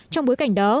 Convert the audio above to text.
trong bối cảnh đó